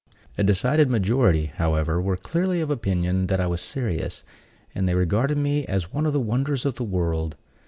A decided majority, however, were clearly of opinion that I was serious; and they regarded me as one of the wonders of the world.